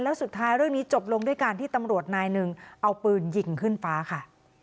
แล้วสุดท้ายเรื่องนี้จบลงด้วยการที่ตำรวจนายหนึ่งเอาปืนยิงขึ้นฟ้าค่ะ